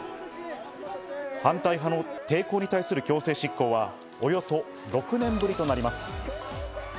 反対派の抵抗に対する強制執行は、およそ６年ぶりとなります。